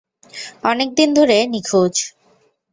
অনেক দিন ধরে নিখুঁজ।